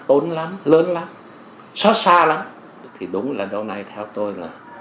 cũng là tiền của dân thôi